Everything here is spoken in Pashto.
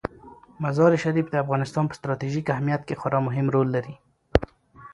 مزارشریف د افغانستان په ستراتیژیک اهمیت کې خورا مهم رول لري.